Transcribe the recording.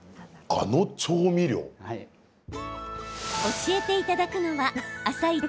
教えていただくのは「あさイチ」